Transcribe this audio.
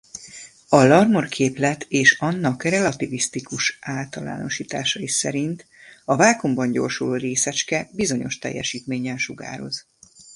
A Larmor-képlet és annak relativisztikus általánosításai szerint a vákuumban gyorsuló részecske bizonyos teljesítménnyel sugároz.